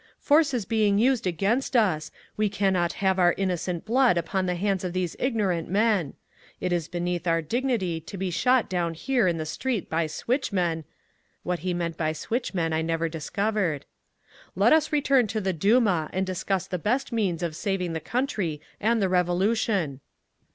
"Force is being used against us! We cannot have our innocent blood upon the hands of these ignorant men! It is beneath our dignity to be shot down here in the street by switchmen—" (What he meant by "switchmen" I never discovered.) "Let us return to the Duma and discuss the best means of saving the country and the Revolution!"